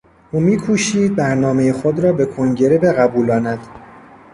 او میکوشید برنامهی خود را به کنگره بقبولاند.